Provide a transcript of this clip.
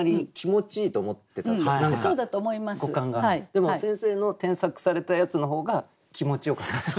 でも先生の添削されたやつの方が気持ちよかったです。